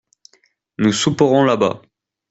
Nous souperons là-bas.